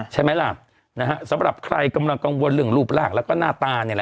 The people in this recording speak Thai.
สำหรับใครกำรอวนเรื่องรูปร่างแล้วก็หน้าตาเนี้ยล่ะ